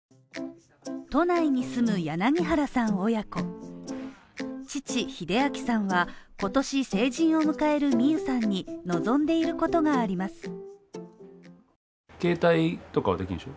都内に住む柳原さん親子の父ヒデアキさんは今年成人を迎えるミユさんに望んでいることがあります。